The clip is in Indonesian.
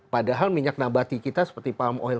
padahal minyak nabati kita seperti palm oil